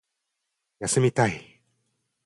休みたい